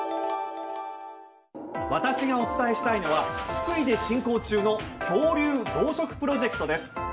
私がお伝えしたいのは福井で進行中の恐竜増殖プロジェクトです。